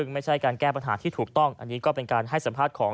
ไม่ใช่การแก้ปัญหาที่ถูกต้องอันนี้ก็เป็นการให้สัมภาษณ์ของ